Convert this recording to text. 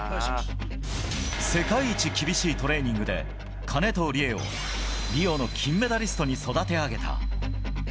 世界一厳しいトレーニングで、金藤理絵をリオの金メダリストに育て上げた。